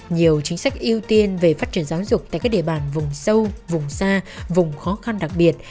nhiều chính sách ưu tiên về phát triển giáo dục tại các địa bàn vùng sâu vùng xa vùng khó khăn đặc biệt